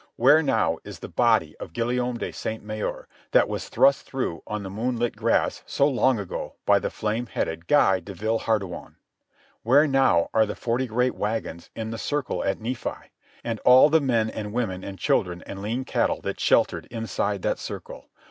Where, now, is the body of Guillaume de Sainte Maure that was thrust through on the moonlit grass so long ago by the flame headed Guy de Villehardouin? Where, now, are the forty great wagons in the circle at Nephi, and all the men and women and children and lean cattle that sheltered inside that circle?